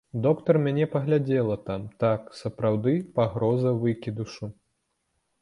Доктар мяне паглядзела там, так, сапраўды, пагроза выкідышу.